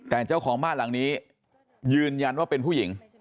แต่เจ้าของบ้านหลังนี้ยืนยันว่าเป็นผู้หญิง